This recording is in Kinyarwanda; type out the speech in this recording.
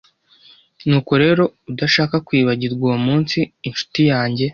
Nuko rero, udashaka kwibagirwa uwo munsi, Inshuti yanjye